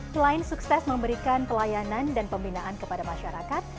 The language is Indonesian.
selain sukses memberikan pelayanan dan pembinaan kepada masyarakat